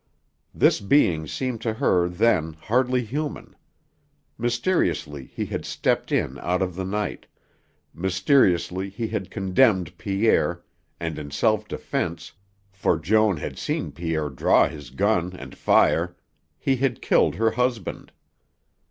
This being seemed to her then hardly human. Mysteriously he had stepped in out of the night, mysteriously he had condemned Pierre, and in self defense, for Joan had seen Pierre draw his gun and fire, he had killed her husband.